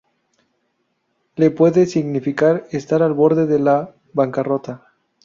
le puede significar estar al borde de la bancarrota